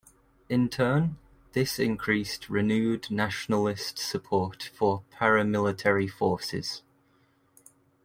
In turn, this increased renewed nationalist support for paramilitary forces.